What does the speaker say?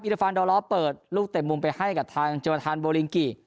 ฟานดอลล้อเปิดลูกเตะมุมไปให้กับทางโจทานโบลิงกิ